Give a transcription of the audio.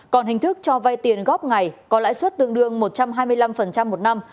còn hình thức cho vay tiền góp ngày có lãi suất tương đương một trăm hai mươi năm một năm